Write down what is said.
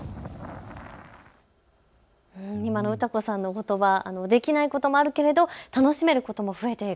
今の詩子さんのことば、できないこともあるけれど楽しめることも増えていく。